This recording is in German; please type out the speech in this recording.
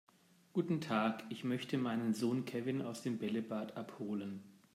Guten Tag, ich möchte meinen Sohn Kevin aus dem Bällebad abholen.